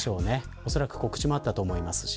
おそらく告知もあったと思いますし。